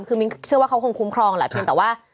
คือมิ้นเชื่อว่าเขาคงคุ้มครองแหละเพียงแต่ว่า